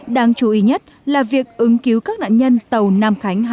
đáng chú ý nhất là việc ứng cứu các nạn nhân tàu nam khánh hai mươi sáu